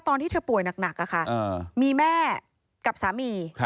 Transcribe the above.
ตอนที่เธอป่วยหนักมีแม่กับสามี